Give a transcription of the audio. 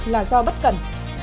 là do bất cẩn